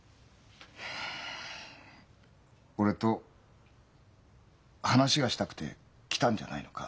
俺と話がしたくて来たんじゃないのか？